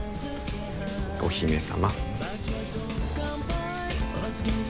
お姫様。